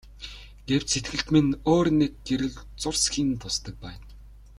Гэвч сэтгэлд минь өөр нэг гэрэл зурсхийн тусдаг байна.